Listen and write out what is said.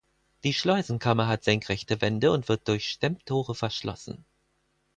Die Schleusenkammer hat senkrechte Wände und wird durch Stemmtore verschlossen.